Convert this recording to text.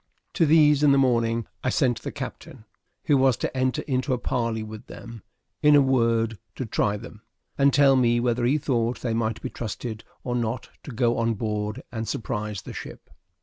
To these in the morning I sent the captain, who was to enter into a parley with them; in a word, to try them, and tell me whether he thought they might be trusted or not to go on board and surprise the ship.